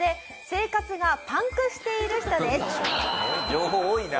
情報多いな。